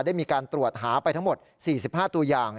ได้มีการตรวจหาไปทั้งหมด๔๕ตัวอย่าง